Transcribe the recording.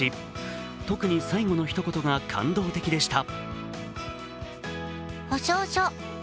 特に最後のひと言が感動的でした。